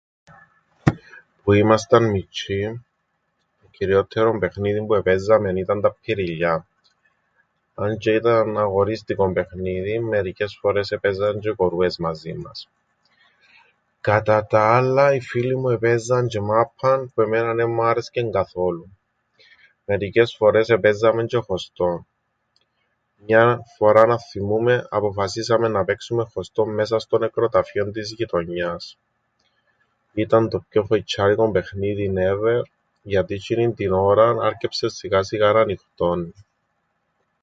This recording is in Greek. Που ήμασταν μιτσ̆ιοί το κυριόττερον παιχνίδιν που επαίζαμεν ήταν τα ππιριλλιά. Αν τζ̆αι ήταν αγορίστικον παιχνίδιν, μερικές φορές επαίζαν τζ̆αι οι κορούες μαζίν μας. Κατά τα άλλα οι φίλοι μου επαίζαν τζ̆αι μάππαν που εμέναν εν μου άρεσκεν καθόλου. Μερικές φορές επαίζαμεν τζ̆αι χωστόν. Μιαν φοράν αθθυμούμαι αποφασίσαμεν να παίξουμεν χωστόν μέσα στο νεκροταφείον της γειτονιάς... ήταν το πιο φοητσ̆ιάρικον παιχνίδιν ever γιατί τζ̆είνην την ώραν άρκεψεν σιγά σιγά να νυχτώννει...